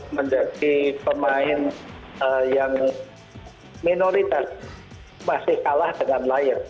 menjadi pemain yang minoritas masih kalah dengan layer